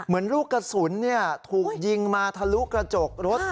ลูกกระสุนถูกยิงมาทะลุกระจกรถ